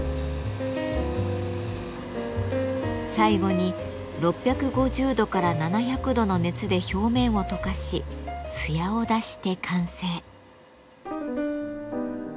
最後に６５０度から７００度の熱で表面を溶かし艶を出して完成。